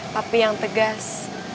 papi yang tegas